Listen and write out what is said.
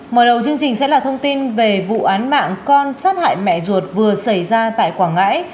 mở đầu chương trình sẽ là thông tin về vụ án mạng con sát hại mẹ ruột vừa xảy ra tại quảng ngãi